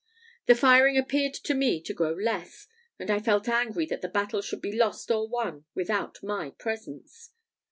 The firing appeared to me to grow less; and I felt angry that the battle should be lost or won, without my presence.